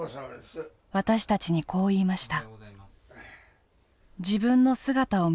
私たちにこう言いました。